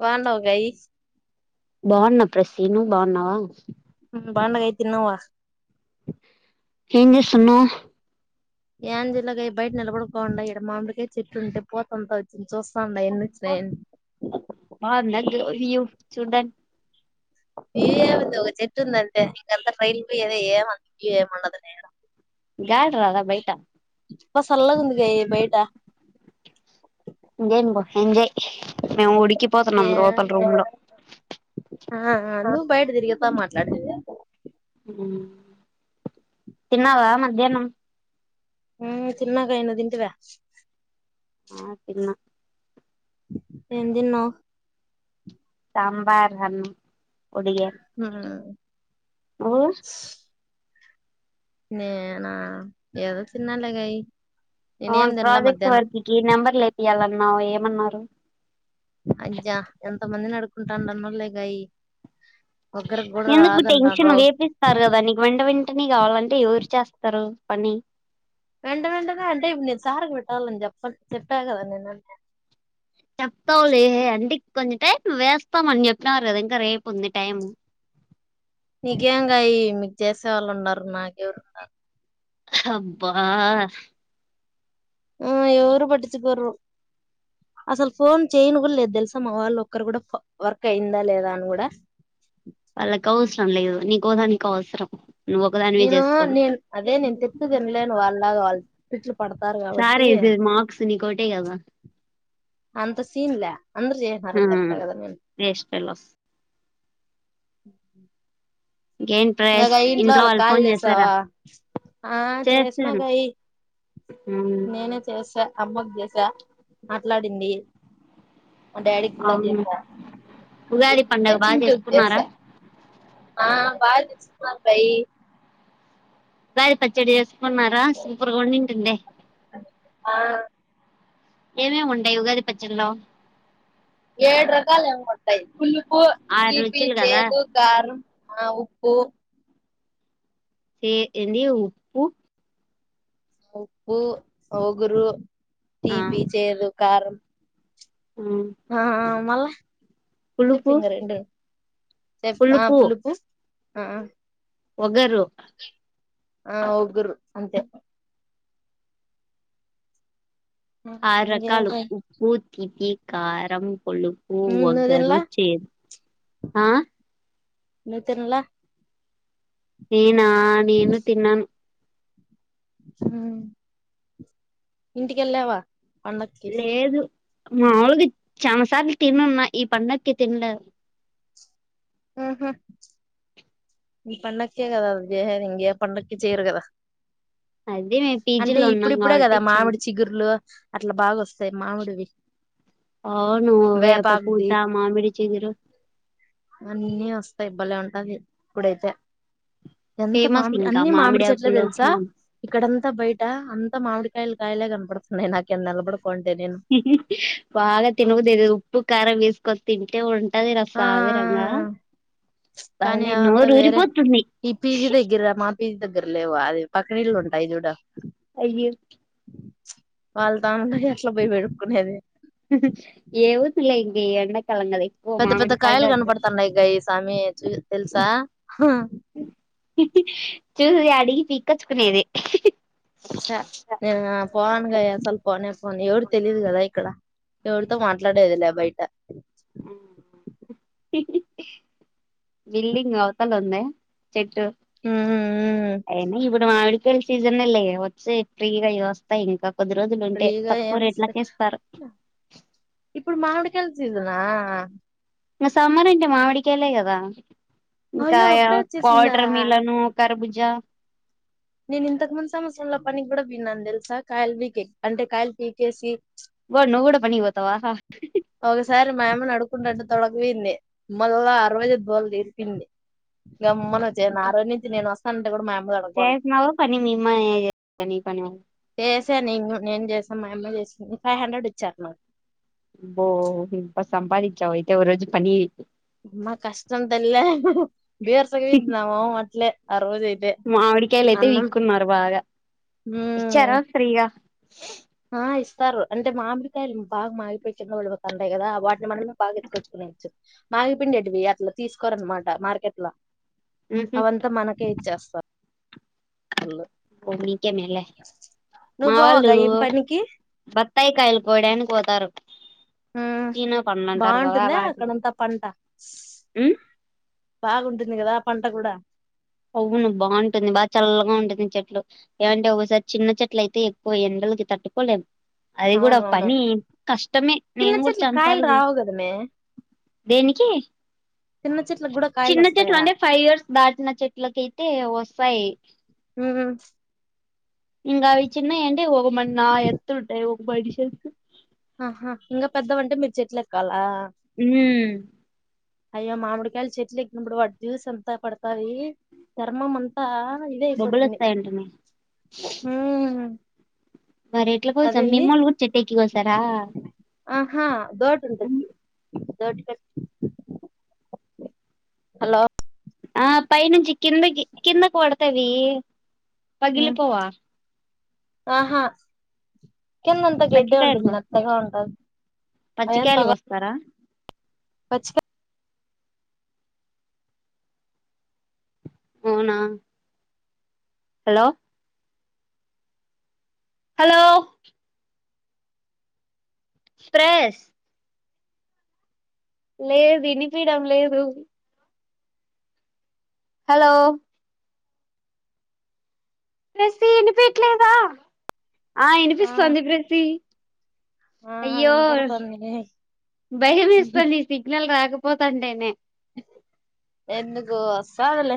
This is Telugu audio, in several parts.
బాగుండవు గయి సీను బాగున్నావా బాగున్న గయి తిన్నావా ఏం చేస్తున్నావ్ ఏంది గయి బయట నిలవోడకుండా ఇక్కడ మామిడిగాయ చెట్టుంటే పోత అంతా వచ్చి చూస్ అబ్బా బాగుందా యు చూడ్డాని న్యూ ఏమింది ఒక చెట్టు ఉందింటే ఇంకంతా ట్రైల్ పోయ అద ఏమ న్యూ ఏం ఉండదు గయి గాలి రాదా బయట బ సల్లగ ఉంది గయి బయట ఎంజాయ్ పో ఎంజాయ్ మేము ఉడికిపోతున్నాం లోపల ఏంది రూమ్ లో ఆ ఆ నువ్వు బయట తిరిగితా మాట్లాడతివి తిన్నావా మధ్యాహ్నం ఉ తిన్న గయి నువ్వు తింటివ ఆ తిన్న ఎం తిన్నావ్ సాంబార్ అన్నం ఒడిగాను హూ నువ్వు నేనా ఏదో తిన్నాలే గయి అవును ప్రాజెక్ట్ వర్క్కి నెంబర్లు ఇపియాలన్నావు ఏమన్నారు అయ్యా ఎంత మందిని అడుకుంటానన్నలే గయి ఎందుకు టెన్షన్ వేపిస్తారు కదా నీకు వెంట వెంటనే కావాలంటే ఎవరు చేస్తారు పని వెంట వెంటనే అంటే ఇప్పుడు నేను సార్కి పెట్టాలని చెప్ప చెప్పా కదా నేనుంటే చెప్తావులే అంటి కొంచెం టైం వేస్తామని చెప్పిన వారు కద ఇంకా రేపు ఉంది టైం నీకేం గాయి మీకు చేసే వాళ్ళు ఉన్నారు నాకు ఎవరున్నారు అబ్బా ఉ ఎవరు పటిచుకోరు అసలు ఫోన్ చేయను కూడా లేదు తెలుసా మా వాళ్ళు ఒక్కరు కూడా వర్క్ అయిందా లేదా అని కూడా వాళ్ళకు అవసరం లేదు నీకోదానికి అవసరం నువ్వు ఒకదానివే నేను చేసుకోను నేను అదే నేను తిట్ తినలేను వాళ్ళలాగా వాళ్ళు పడతారు సారే కాబట్టి ఇది మార్క్స్ నీకోటే కదా అంత సీన్ల అందరు ఆ చేసినారు చెప్తా కదా నేను వేస్ట్ ఫెలోస్ [unintelligible] ఇంకేంటి ప్రయాస్ ఇంకాకయ ఇంట్లో వాళ్ళకి వాళ్ళు కాల్ ఫోన్ చేసారా చేసావా ఆ చేసిన చేశాను గాయి నేనే చేసా అమ్మకు చేశా మాట్లాడింది మా డాడీకి కూడా అవును చేసా ఉగాది పండుగ బాగా చింటుకి చేసుకున్నారా చేశా ఆ బా చేస్తావు గయి బార పచ్చడి వేసుకున్నారా సూపర్గా ఉండింటుందే ఆ ఏమేమి ఉంటాయి ఉగాది పచ్చడిలో ఏడు రకాలు ఏమో ఉంటాయి పులుపు ఆరు తీపి రుచులు కదా చేదు కారం ఆ ఉ పు చి ఏంది ఉప్పు ఉప్పు ఒగురు ఆ తీపి చేదు కారం ఉమ్, ఆ ఆ మళ్ళ పులుపు సుచింగ్ రెండు ఆ పులుపూ ఆ వగరు ఆ ఒగురు అంతే ఆరు ఇంకేం రకాలు కాయ్ ఉప్పు తీపి కారం పులుపు నువ్వు వగరు తినలా చేదు నువ్వు తిన్లా నేనా నేను తిన్నాను ఇంటికెళ్ళావా పండక్కి మాములుగ్ చానాసార్లు తినున్న ఈ పండక్కి తిండ ఆహ ఇ పండక్కే గదది చేహేది ఇంగే పండక్కి చేయరు కదా అదే మేము అంటే పీజీలో ఉన్నాం ఇప్పుడుప్పుడే కాబట్టి గదా మామిడి చేయను చిగుర్లు అట్ల బాగొస్తాయి మామిడివి అవును వేప పూత వేపాకుది మామిడి చిగురు అన్నీ వస్తాయి బలే ఉంటాది ఇప్పుడైతే ఎంత ఫేమస్ మామిడి ఇంకా అన్ని మామిడి చెట్లే ఆకులు తెలుసా మా ఇక్కడంతా అంత మామిడికాయలు కాయలే కనపడుతున్నాయి నాకేం నలబడు బాగా తినబుదైతది ఉప్పు కారం వేస్కోన్ తింటే ఉం ట్టది నా ఆ సావి రంగా కానీ అదంతా వేరే ఈ పి జి దగ్గిర మా పి జి దగ్గర్లేవా అది పకరీళ్లు ఉంటాయి జూడు అయ్యే వాళ్ళ తానబొయ్ అట్ల బొయ్ పెరుపుకునేది ఏవుతిలే ఇంక ఎండక్ పెద్ద పెద్ద కాయలు కనపడతాన్నాయ్ గాయి సామి చ తెలుసా చూసిది అడిగి పీకచ్చుకునేది స నేనా పోన్ గాయి అసలు పోనే ఫోన్ ఎవరు తెలీదు గదా ఇక్కడ ఎవురితో మాట్లాడేదిలే బయట బిల్డింగ్ అవుతల ఉంద చెట్టు అయన్నీ జుబుడమాడి పిల్ సీజన్ లే వచ్చె ఫ్రీగా అయొస్తాయింక కొద్ది రోజులు ఉంటే ఫ్రీగా ఏం తక్కువ రేట్లకే ఇస్తారు పిల్ సీసనా మ సమ్మర్ ఇంట మావిడికాయలే గదా ఇంకా అయ్యో యా అప్పుడే వచ్చేసిందా పాటర్ మిలను కర్భుజా నేను ఇంతకు ముందు సంవత్సరంలో పనికి కూడా పియ్నను తెలుసా కాయలు పీకేక్ అంటే కాయలు పీకేసి గో నువ్వు కూడా పనికి పోతావా ఒకసారి మా యమ్మని అడుకుంటాంటే తొడగిబొయింది మల్లా రోహిత్ గోల దీరిపొయింది గమ్మన వచ్చేహ్న ఆ రోజు నుంచి నేను వస్తానంటే గుడ మాయమ్మ దొడగపోల చేసినావా పని మీ అమ్మ నీ పని చేసా నేను నేన్ చేస్ మాయమ్మ చేసుంది ఫైవ్ హండ్రెడ్ ఇచ్చాను అబ్బో ఇంప సంపాదిచ్చావు అయితే ఒ రోజు పని అమ్మా కష్టం తల్లే బీర్సగవిద్ నా మొహమట్లే మావిడికాయలు అయితే వీకున్నరు బాగా ఇచ్చారా ఉమ్ ఫ్రీగా ఆ ఇస్ అంటే మామిడికాయలు బా మాగిపోయి కిందపడి పోతాంటాయి గదా వాటిని మనం బాగెత్తుకొచ్చుకునైచ్చు. ఆగిపిండేటివి అట్లా తీసుకోరనమాట మార్కెట్ లో ఉహు అవంతా మనకే ఇచ్చేస్తారు వాళ్ళు బో మీకేమెలే మా నువ్వు వాళ్ళు పోవగా ఏం పనికి బత్తాయి కాయలు కోడానికి పోతారు ఉమ్ చీనా పండ్లంటర్ కాదా బాగుంటుందా వాటికి అక్కడంతా పంట ఉ బాగుంటుంది కదా పంట కూడా అవును బాగుంటుంది బాగా చల్లగా ఉంటుంది చెట్లు ఏలాంటే ఒకసారి చిన్న చెట్లు అయితే ఎక్కువండ ఎండకి తట్టుకోలేం అది కూడా అవునవును పనీ కష్టమే చిన్న నేను కూడా చెట్ల కాయలు చంపాలి వి రావు కదమే దేనికి చిన్న చెట్లకు కూడా కాయలు చిన్న చెట్లు వస్తాయా అంటే ఫైవ్ ఇయర్స్ దాటిన చెట్ల లకైతే వస్తాయి ఊ ఇంకా అవి చిన్న యంటే ఒక మ నా ఎత్తుంటాయి ఒక మనిషి ఎత్తు ఆహా ఇంకా పెద్ద అంటే మీరు చెట్లు ఎక్కాలా ఊ అయ్యా మామిడికాయలు చెట్లు ఎకినప్పుడు వాటి జ్యూస్ అంతా పడుతాది చర్మం అంతా పాల్ బొబ్బలు ధైపోతుంది వస్తాయంట ఊ మరి ఎట్లా కోసాం మిమ్మల్ని కూడా చెట్టు ఎక్కి కోసారా ఆహా దోటి ఉంటది దోటీ హలో ఆ పైనుంచి కిందకి కిందకి పడతవి ఉమ్ పగిలిపోవా ఆహా కింద అంత గడ్డే పచ్చికాయలు ఉంటుంది కోస్తారు మెత్తగా ఉంటది అ పచ్చికాయలు పగలావ్ కోస్తారా పచ్చిక అవునా హలో హలో ప్రేస్ లేదు వినిపీడం లేదు హలో [inaudible] వినిపట్లేదా ఆ వినిపిస్తుతోంది ప్రీతి ఆ అయ్యో వినపడుతుంది భయంమేస్తోంది సగ్నల్ రాకపో పోతంటేనే ఎందుకో అస్తాదిలే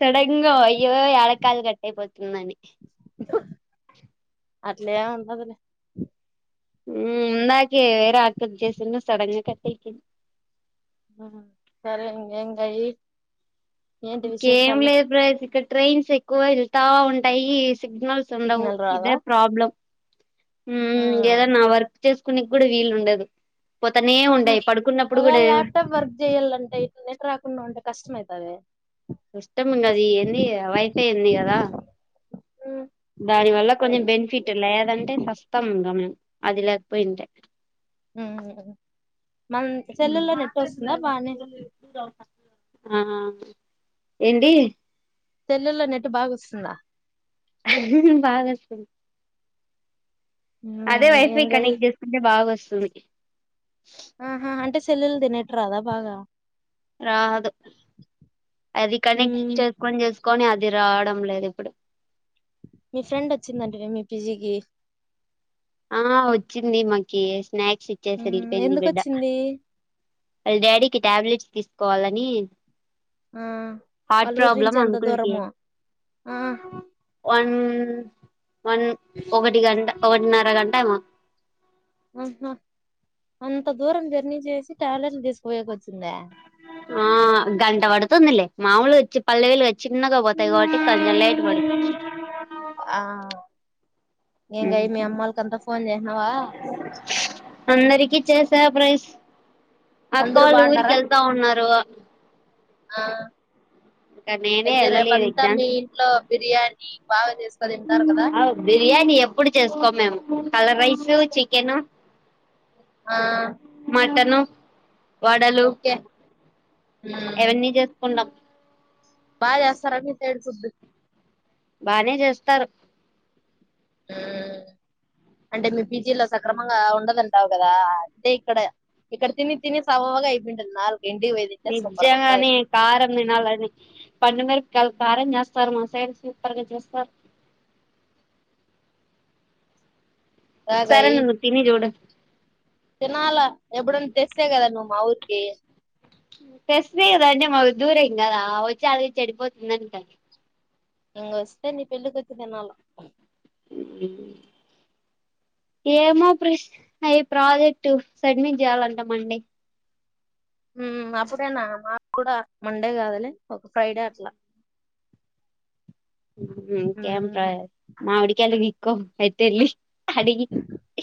సడన్గ అయ్యో యడ కాల్ కట్ట అయిపోతుందని అట్లెం ఉండదులే. ఉ ఇందకే వేరా అక్క కి చేస్తుండే సడన్గా కట్ అయిపోఇంది వయి ఇంకేం లేదు [unintelligible] ఇక్క ట్రైన్స్ ఎక్కువ వెళ్తా ఉంటాయి. సిగ్నల్స్ ఉండవు సిగ్నల్ రాదా ఇదే ప్రాబ్లం. ఊ ఉమ్ ఏదై నా వర్క్ చేసుకునే కూడా వీలు ఉండదు. పోతనే ఆహా ఉండయి పడుకున్నప్పుడు ఒకవేళ కూడా ల్యాప్టాప్ వర్క్ చేయ్యాలంటే ఇంటర్నెట్ రాకుండా ఉంటే కష్టం ఐతది ఇష్టము ఉన్నది ఎంది వైఫై ఉంది కదా ఉమ్ దాని వల్ల కొంచెం బెనిఫిట్ లేదంటే కష్టంగా అది లేకపోయింటే ఊ ఊ బానే ఆ ఏంది సెల్లలో నెట్టు బాగుస్తుందా బాగాస్తు అదే ఉమ్ వైఫై ఏంగయి కనెక్ట్ చేసుకుంటే బాగా వస్తుంది ఆహా అంటే సెల్లుంది నెట్ రాదా బాగా రాదు అది ఉమ్ కనెక్ట్ చేసుకొని చేసుకొని అది ఇది రావడం లేదు ఇప్పుడు మీ ఫ్రెండ్ వచ్చిందంటవే మీ పిజీకి ఆ వచ్చింది మాకి స్నాక్స్ ఇచ్చేసి ఉమ్ వెళ్ళిపియింది బిడ్డ ఎందుకొచ్చింది వాళ్ళ డాడీకి టాబ్లెట్స్ తీసుకోవాలని ఆ హార్ట్ వాళ్ళ ఊరు నుంచి ప్రబ్లమ్ ఎంత అంకుల్కి దూరమో ఆ ఆహా వన్ ఉన్ వన్ ఒకటి గంట ఒకటిన్నర గంట ఏమో ఆహా అంత దూరం జర్నీ చేసి టాబ్లెట్లు తీసుపోయేకి వచ్చిందా ఆ గంట పడుతుందిలే మాముూలు వచ్చి పల్లె వెలుగు వచ్చి చిన్నగాపోతాయిగబ్బట్టి కొంచం లైట్ పడుతుంది ఆ ఇంగ ఉమ్ మీ అమ్మోళ్ళకి అంతా ఫోన్ చేసినావా అందరికి చేసా ప్రస్ అక్క అందరు వాళ్ళు ఊరికి బాగుండారా వెళ్తా ఉన్నారు ఆ ఇంకా నేనే అయితే రేపు వెళ్ళలేదు అంతా మీ ఎగ్జామ్స్ ఇంట్లో బిర్యానీ బాగా చేస్త అ బిర్యానీ ఎప్పుడు చేసుకోము మేము కలర్ రైస్ చికెన్ ఆ చికెను వడలు ఓకే ఎవన్నీ చేసుకుంటాం బా చేస్తారా మీ సైడ్ ఫుడ్ బానే చేస్తారు ఉమ్ అంటే మీ పీజీలో సక్రమంగా ఉండదన్ అంటావు కదా అంటే ఇక్కడ ఇక్కడ తిని తిని సవ్వగా అయిపోంటుంది నాలుక్ నిజంగానే కారం తినాలనే పండు మెరప్ కాల్ కారం చేస్తారు మా సైడ్ సూపర్గా చేస్తారు ఒక సారి తాగాయి అన్న నువ్ తిని చూడు తినాలా ఎప్పుడున్నా తెస్తసే కదా నువ్వు మా ఊరికి తెస్తేకదా అంటే మా దూరేం కదా వచ్చలకు అది చెడిపోతుంది అని అందుకని ఇంగోస్తే నీ పెళ్ళికి వచ్చిదినాలా ఉ ఏమో ప్రస్ అయి ప్రాజెక్ట్ సడ్మిట్ చేయాలంటా మండే ఉమ్ అప్పుడేనా మాకు కూడా మండే కాదలే ఒక ఫ్రైడే అట్లా ఉమ్ ఇంకేం ఉమ్, ప్రస్ మామిడికాయిలు పిక్కో అయితే ఏళ్ళి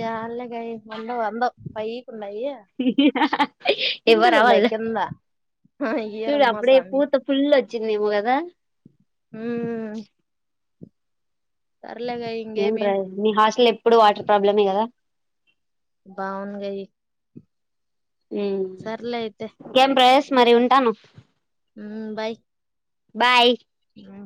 యాల్లె గాయి అందవ్ అందవ్ పైక్ పిందులు ఇవ్వరా ఉన్నాయి వాళ్ళు కింద చూడు ఈయరమ్మ అప్పుడే సామి పూత ఫుల్ వచ్చిందేమో కదా ఉమ్ ఏం ఇంగేమి ప్రస్ మీ హాస్టల్లో ఎప్పుడు వాటర్ ప్రాబ్లమే కదా బా అవును గాయి ఉమ్ అయితే ఇంకేం ప్రస్ మరి ఉంటాను ఉమ్ బాయ్ బాయ్ ఉమ్.